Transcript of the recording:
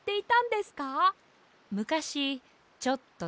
むかしちょっとね。